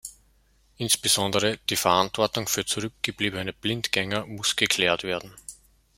Insbesondere die Verantwortung für zurückgebliebene Blindgänger muss geklärt werden.